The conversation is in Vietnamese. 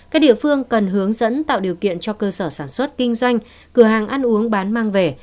các địa phương cần hướng dẫn tạo điều kiện cho cơ sở sản xuất kinh doanh cửa hàng ăn uống bán mang về